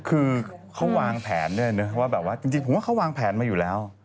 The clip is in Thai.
คือเขาวางแผนด้วยนะว่าแบบว่าจริงผมว่าเขาวางแผนมาอยู่แล้ว